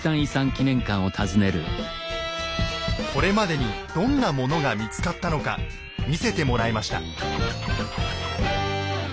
これまでにどんなものが見つかったのか見せてもらいました。